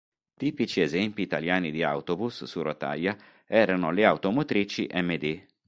Tipici esempi italiani di autobus su rotaia erano le automotrici Md.